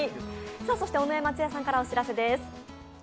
そして、尾上松也さんからお知らせです。